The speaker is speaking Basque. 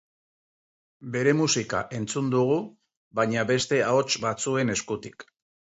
Bere musika entzun dugu, baina beste ahots batzuen eskutik.